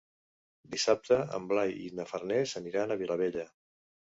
Dissabte en Blai i na Farners aniran a la Vilavella.